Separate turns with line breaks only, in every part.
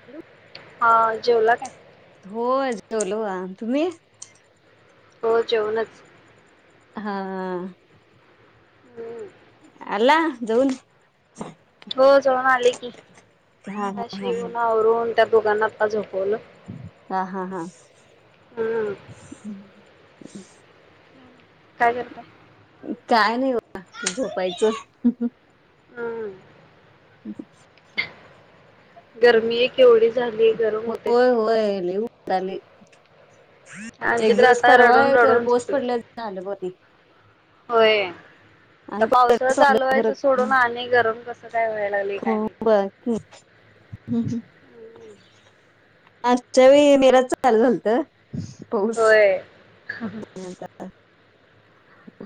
Hello.
हा जेवला काय?
हो जेवलो बघा तुम्ही?
हो जेवूनच.
हा.
हम्म!
आला जाऊन?
हो जाऊन आले की
हा
म
हा हा हा.
शिऊन आवरून त्या दोघांना आता झोपवलं.
हा हा हा
हम्म काय करत
काय नाही बा झोपायचं
हम्
हम
गरमी आहे केवढी झालीय गरम होते
झाली
आमची
एक
तर
दिवस
आता
परवा
रडून
आहे तेवढ
रडून
पोहच
झोपले
पडले झाल मती
होय तर
आणि
पावसाळ
परत वाटलं खरं.
चालवायचं सोडून आणि गरम कस
हो बाकी ह् आजच्या वेळी मेराज चाल झालत पाऊस
होय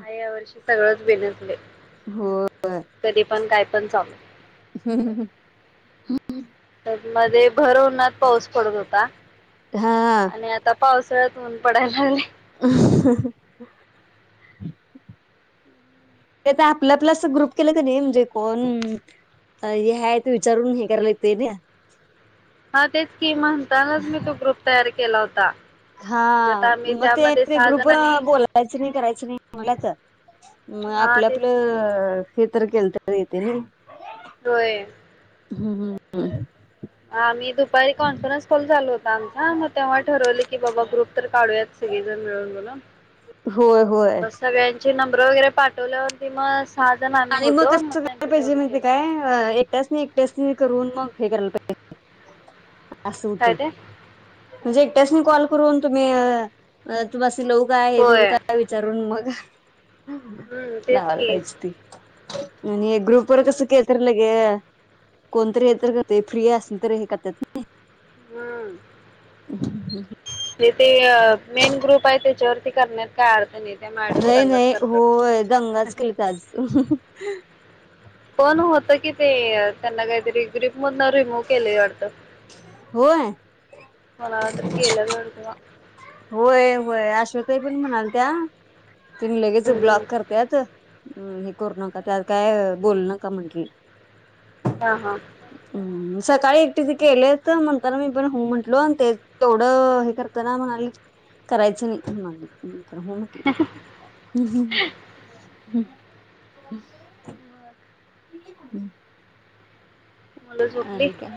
आ या वर्षी सगळंच बेनतले
हो
कधी पण काय पण चाल
हम्म
त्या म भरहनाात पाऊस पडत होता
हा
आणि आता पावसाळ्यात ऊन पडायला
अ ते तर आपलं आपलं असं ग्रुप केलं का नाही म्हणजे कोण अ हे हय ते विचारून हे करायला लागते ना
हा तेच की म्हणतानाच मी तो ग्रुप तयार केला होता
हा
म्हणजे आता आम्ही
मग ते
त्यामध्ये सहा
ग्रुप
जणांनी
बोलायचं नाही करायचं नाही मलाच मग
हा
आपलं
तेच की
आपलं हे तर केलं तर येते ना
होय
हम् हम्मम्
ह मी त एक कॉन्फरन्स कॉल झालला होता आमचा मग तेव्हा ठरवलं की बाबा ग्रुप तर काढूयात सगळी जण मिळून बणून
होय होय
ची नंब्र वगैरे पाठवल्यावरती म
आणि मग कं काय पाहिजे म्हण
केलं.
काय एकट्यास नाही एकट्या करून मग हे करायला पाहि
काय
असडते
ते
म्हणजे एकट्याच म कॉल करून तुम्ही बस लव काय हे करू
होय
का विचारून मग ह
हम्म तेच
लावायला
की
पाहिजे ती आणि ग्रुप वर कस के तर लगे कोणतरी हे तर कर फ्री असल तर हे करतात नाही
हम्म
ह
ज ते मेन ग्रुप आहे त्याच्यावरती करण्यात काय अर्थ नाही त्या मॅडम
नाही
दंगाच
नाही
करतात
हो
ना.
दंगाच केली तरज
पण होत कि ते त्यांना काहीतरी ग्री मण ना रिमूव केलेली वाटत
होय.
मलाला तरी केलं वाटतं
होय होय अश्वतााई पण म्हणाल त्या तीन लगेच ब्लॉक करतत हम्म हे करू नका त्यात काय बोल नका म्हंे
हा हा
सकाळी एकटीथ केले तर म्हणताना मी पण हो म्हटलो आणि ते तेवढं हे करत ना म्हणाले करायच तर होमटली ह ह [inaudible]
मुलं झोपली
आणि काय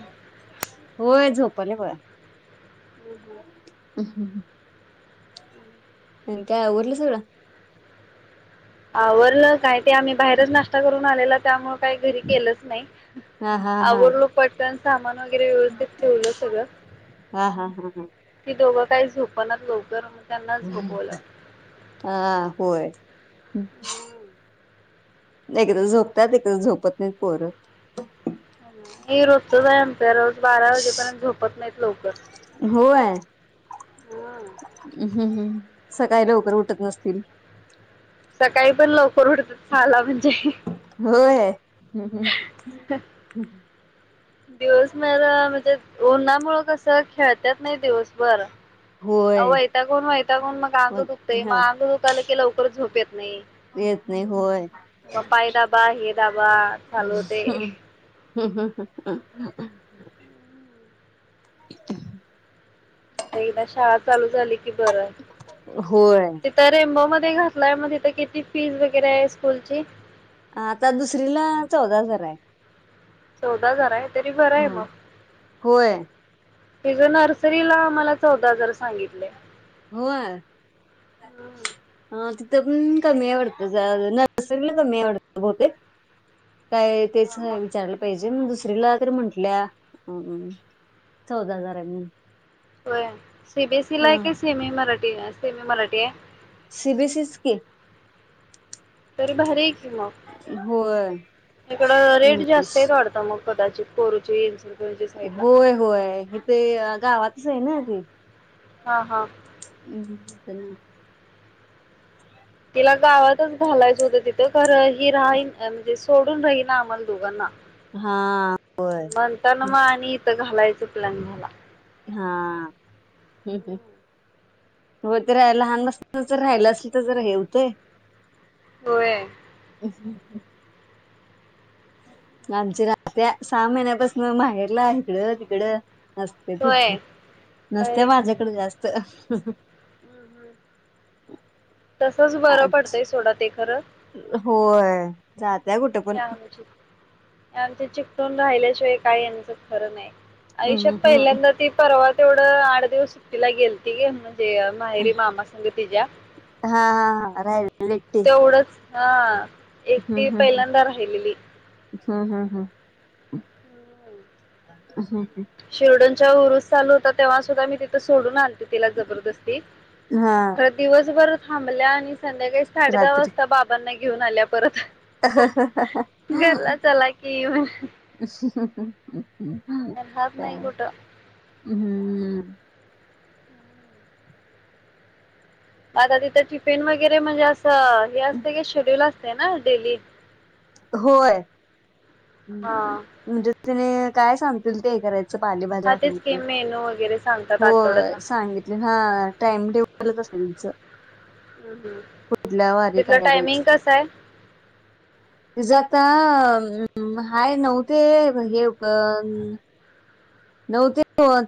होय झोपले ब
हम्म, हम्म.
आणि काय आवरलं सगळं
आवरलं काय ते आम्ही बाहेरच नाश्ता करून आलेला त्यामु काही घरी केलंच नाही
हा हा हा
आलो पटकन सामान व्यविसित ठेवलं
हा हा हा हा
सगळंती दोघ काही झोपनातं लवकर त्यांना झोपवलं.
हा होय
हम्म.
नाही एकदा झोपतात एकदा झोपत नाही पोरत
हे रोजचच आहे आम त्या रोज बारा वाजेपर्यंत झोपत नाहीत लवकर.
होय.
हम्म.
हम्म हम् सकाळी लवकर उठत नसतील.
सकाळी पण लवकर उठतात साला म्हणजे
होय.
दिवस मला म्हणजे ना मुळ कसं खेळतत नाही दिवसभर.
होय
वैतागूण वैतागूण मग अंग दुखतय मग अंग दुखाला की लवकर झोप येत नाही
येत नाही होय
मग पाय दाबा हे दाबा चालू होतय.
ह ह इक
एकदा शाळा चालू झाली की बर
होय.
तिथ रेमबो मध्ये े घातलाय मग तिथे किती फीज वगैरे आहे स्कूलची
आता दुसरीला चौदा हजार आहे.
चौदा हजार आहे तरी बरं आहे
हो
मग
होय
ति ज नर्सरीला मला चौदा हजार सांगितले.
होय हा. कमी आवडत नर्सरीला कमी आवडत बहुते काय तेच विचारलं पाहिजे मग दुस तिसरीला तरी म्हंटल्या चौदा हजार आहे म
होय सीबीएसई ला आहे का सेमी मराठी सेमी मराठी आहे
सि बी एस सी की
तरी भारी आहे कि म
होय.
इकडं रेट जास्त आहे वाटतय मग कदाचित करूची येईल
होय होय हीथ गावातच आहे ना ते
हा हा
हम् ना
तिला गावातच घालायचं होतं तिथं खर हि रान म्हणजे सोडून राहीना आम्हाला दोघांना
हा होय.
म्हणताना मग आणि इथं घालायचं चुकलन झाला.
हा हम्म हम्म हो ते रा लहान बासताना जर राहिलं असल तर जर हेवतंय
होय.
हम् आमच्या ना त्या सहा महिन्यापासून माहेरला इकडं तिकडं. नसते त
होय
नसत्या
बरे
माझ्याकडे जास्त. तर
तसच बरं पडतंय सोडा ते खरं
होय जातय कुठे
हे
पण.
आमची आमचे चिकटून राहिल्याशिवाय काय यांचं खरं नाही आयुष्यात
हम्म हम्म
पहिल्यांदा ती परवा तेवढं आठ दिवस सुट्टिला गेल त गे म्हणून ज माहेरी मामा संगतीच्या
हा हा हा राहिलेली एकटी
तेवढंच हा एकटी पहिल्यांदा राहिलेली.
हा हा हा हा
शिर्डनच्या उरुस चालू होता तेव्हा सुद्धा मी तिथं सोडून आल त जबरदस्ती
हा
खर दिवसभर थांबल्या आणि संध्याकाळी साडे दहा
रात्री
वाजता बाबांना घेऊन आल्या परत घरला चला की,
हम् ह [inaudible]
राहत नाही कुठं.
हम्म
आता तिथं टिफिन वगैरे म्हणजे असं हे असतय की शेड्युल असते ना डेली.
होय.
हा
म्हणजे तिने काय सांगतील ते करायच. पालेभाज्या
हा
हे
तेच की
ते
मेनू वगैरे सांगतात
हो
आठवड्याचा.
सांगितले हा टाइम टेबलच असायचं.
हम्म हम्म
पुढल्या वारी
तिथलं
काय
टायमिंग
द्यायचं.
कसं आहे
तिजं आता हाय नऊ ते हे नऊ ते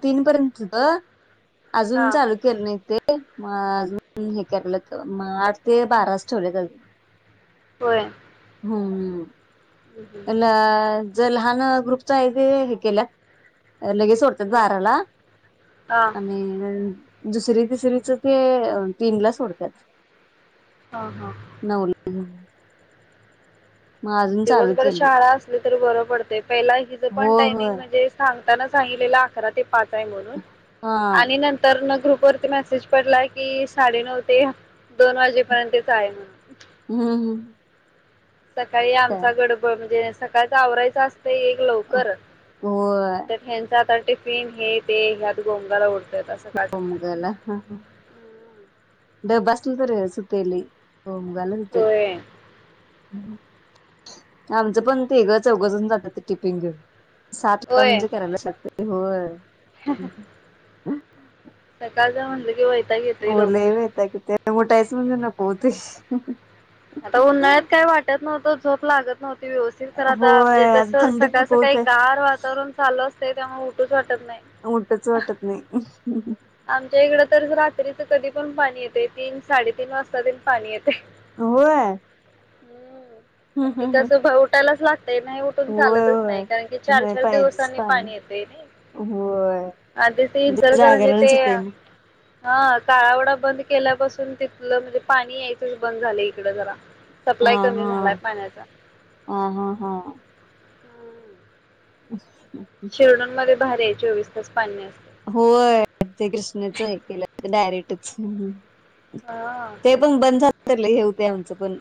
तीन पर्यंतच होत, अजून
हा
चालू केलं नाही ते. ते मग अजून हे करल्यात मग आठ ते बारा च ठेवल्यात आता
होय.
हम्म
हम्म हम्म.
[unintelligible] जर लहान ग्रुपच आहे तेे हे केल्यात. लगेच सोडतात
हा
बाराला आणि दुसरी तिसरीच ते तीन ला सोडतात
ह हा
नऊ ला
दिवसभर
केलं
शाळा असली तरी बर पडतय पहिला इथं पण
होय होय
टायमिंग म्हणजे सांगतान सांगितलेल अकरा ते पाच आहे म्हणून
हा
आणि नंतरण ग्रुप वरती मेसेज पडला की साडे नऊ ते दोन वाजेपर्यंतच आहे म्हणून,
हम्म हम्म
सकाळी
काय
आमचा गडबड म्हणजे सकाळच आवरायचा असत. एक लवकर
होय
तर ह्याच आता टिफिन हे ते ह्यात गोंमगाला उड
हो मुगाला हा हा डबा असलं तर त्रास होतोय लई गोंमगाला होतोय.
होय
आमचं पण तिघ चौघजन जात्यात टिफिन घेऊन सात ला
होय
म्हणजे करायलाच लागतय होय.
सकाळचा म्हटलं की वैताक
होय लई वैताग येतोय उठायचं म्हणजे नको होतय.
आता उन्हाळ्यात काही वाटत नव्हतं झोप लागत नव्हती. व्यवस्थित कर आता
होय
म्हणजे जस
आता थंडीत
सकाळ
नको
सकाळी
होतय
गार वातावरण चालू असते त्यामुळे उठूच वाटत. नाही.
उठूच वाटत नाही.
आमच्या इकडं तर रात्रीच कधी पण पाणी येते तीन साडे तीन वाजता तेन पाणी येतय.
होय,
हम् तिथं
होय
कसं उठायलाच लागत. ते नाही उठून चालतच नाही
होय
कारण की चार
नाही
चार
पाहिजेच
दिवसांनी पाणी येतय नाही.
होय
आधी ती इचलकरंजी ते
ते
हा काळावडा बंद केल्यापासून तिथलं म्हणजे पाणी यायचच बंद झाले इकड जरा, सप्लाय
हा
कमी
हा
झालाय पाण्याचा,
हा हा ह् [unintelligible]
शिरढोण मध्ये भारी आहे चोवीस तास पाणी असत य.
होय ते कृष्णाच हे केलं डायरेक्टच
हा
ते पण बंद झाल तर लय हे होतयआमचं पण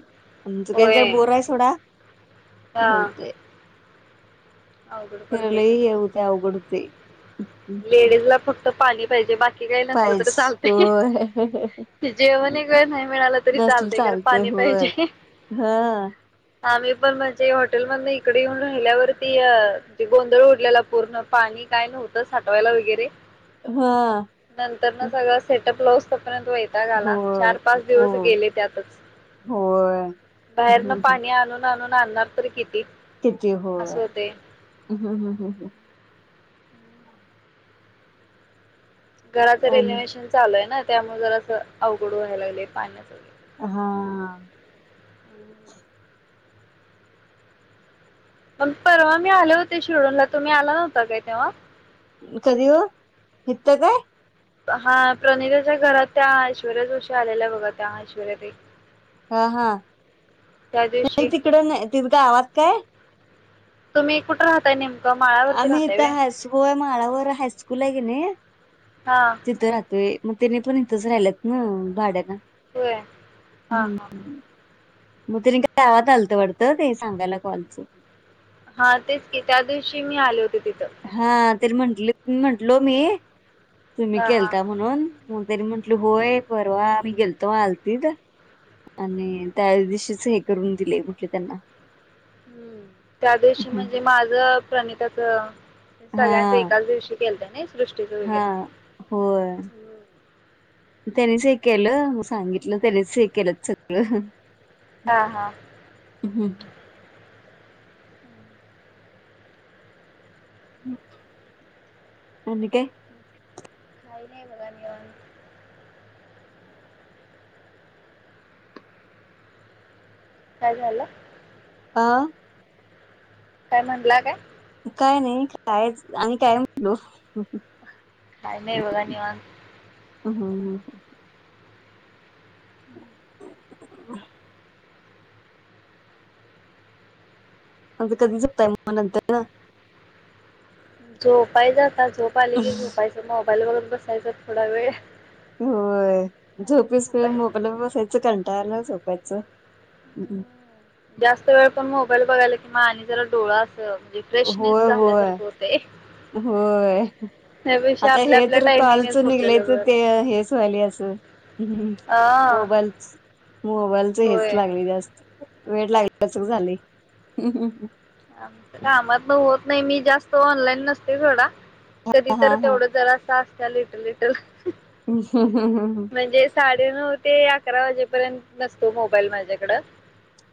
आमचं काही जर
होय
बोर आहे सोडा
हा
हे ओतय.
अवघड
खंर
पडते
लय हे होतय अवघडत होतय
लेडीज ला फक्त पाणी पाहिजे बाकी काही नसल तर
पाहिजे
चालते.
होय
जेवण एक वेळ नाही मिळालं तरी
नसल
चालतय ख पाणी
होय
पाहिजे
हा
आम्ही पण म्हणजे हॉटेल मधन इकडे येऊन राहिल्यावरती गोंधळ उडलेला पूर्ण पाणी ठवाला व
हा
न सग से र्यंत वता गला
होय
चार पाच
हो
दिवस गेले त्यातच
होय
बाहेरन पाणी आणून आणून आणणार तरी किती
तथ हो
असं होते
हम्म हम्म हम् हम्
घराचं रेलिववेहेशन चालूय ना त्यामुळे जर असं अवघड व्हायला लागले पाण्या
हा
परवा मी आले होते शिडूनला तुम्ही आला नव्हता काय तेव्हा
कधी हितत काय
हा प्रणिताच्या घरात त्या ऐश्वर्या जोशी आलेल्या बघा त्या ऐश्वर्यात एक
हा हा नाही
दिवशी
तिकडं त का गावात काय
तुम्ही कुठं राहताय नेमकं माळ्यावरती
आम्ही
राहताय
इथं
वे
हायस्कूल माळावर हायस्कूल आहे गेले
हा
तिथं राहतोय मग तिने पण इथंच राहिलंत ना भाड्याला
होय हा हा
मग तने काय गावात आलतं वाटतं ते सांगायला कॉलच
हा तेच की त्या दिवशी मी आले होते तिथे
हा तरी म्हट म्हंटलो मी तुम्ही
हा हा
गेलता म्हणून मण तरी म्हंटल होय परवा मी गेलतो आलतीत आणि त्या दिवशीच हे करून दिले म्हटले त्यांना. [unintelligible]
हम्म त्या दिवशी म्हणजे माझ प्रणिता च.
हा
सगळ्यांच एकाच दिवशी केलत नाई.
हा, होय त्यानीच हे केलं म सांगितलं त्यानीच हे केलं सगळं.
हा हा...
ह. आणि काय?
काही नाही बघा निवांत. काय झालं?
हं.
काय म्हटलं काय?
काय नाही काय आणि काय म्हटलो.
काय नाही बघा निवांत.
ह ह ह... ह.. आ कधीच झोपताय नंतर.
झोपायचं आता झोपा आली की झोपायचं मोबाईलवरून बसायचं थोडा वेळ....
होय
आणि
झोपीसकडे
झोपायचं.
मोबाईल बसायचं कंटाळालाच. झोपायचं.
हम्म. जास्त वेळ पण मोबाईल बघायला किंवा आणि जरा डोळा अस. म्हणजे फ्रेशनेस
होय होय
झाल्यासारखं होत.
होय. आता हे
आपल्या
तर
टायमिंगने
कलच
झोपलेलं
निघलायच
बरं.
ते हेच व्हाली असं.
आ.
मोबाईलच मोबाईलच हेच
होय
लागले जास्त. वेळ लागल्याच झालाय.
आमच्या कामात ना होत नाही मी जास्त ऑनलाईन नसते थोडा. कधी तर
हा हा
तेवढं जरा अस असत लिटल लिटल.
हम् हम
म्हणजे साडेनऊ ते अकरा वाजेपर्यंत नसतो मोबाईल माझ्याकडं.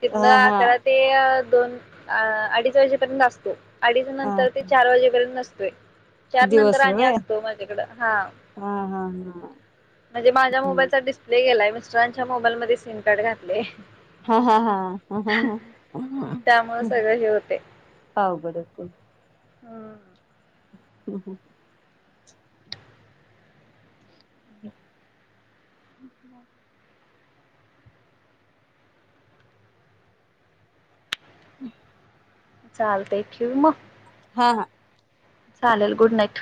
तिथं
हा हा
त्याला ते दोन अ अडीच वर्षपर्यंत असतो. अडीच नंतर ते चार वाजेपर्यंत नसतोय. चार नंतर
दिवसभर
आणि
व्हय
असतो माझ्याकडं हा.
हा हा
म्हणजे माझ्या मोबाईलचा डिस्प्ले गेलाय मिस्टरांच्या मोबाईल मध्ये सीन कार्ड घातले.
हा हा हा हा हा
त्यामुळे
ह..
सगळं हे
अवघडच आहे.
हम्म
हम्म हम्.. ह् हम् [inaudible]
चालत ठेऊ मग
हा हा
चालेल गुड नाईट